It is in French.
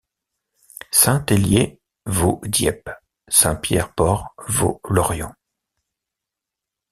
Saint-Hélier vaut Dieppe ; Saint-Pierre-Port vaut Lorient.